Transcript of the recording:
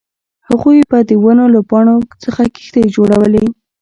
هغوی به د ونو له پاڼو څخه کښتۍ جوړولې